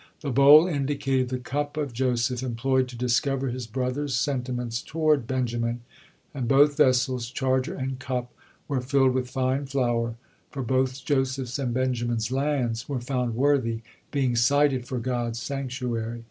The bowl indicated the cup Joseph employed to discover his brothers' sentiments toward Benjamin, and both vessels, charger and cup, were filled with fine flour, for both Joseph's and Benjamin's lands were found worthy being sited for God's sanctuary.